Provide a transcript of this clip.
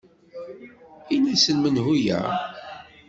In-asen menhu-yaɣ.